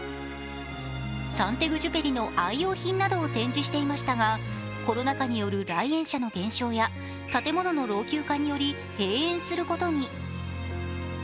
サン＝テグジュペリの愛用品などを展示していましたが、コロナ禍による来園者の減少や建物の老朽化により閉園することに。